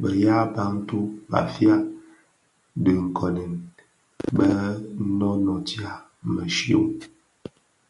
Bë yaa Bantu (Bafia) dhinkonèn bō noo nootia mëshyom.